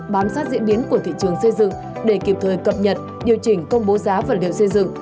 bám sát diễn biến của thị trường xây dựng để kịp thời cập nhật điều chỉnh công bố giá vật liệu xây dựng